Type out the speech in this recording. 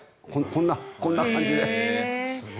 こんな感じで。